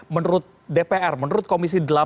menurut dpr menurut komisi delapan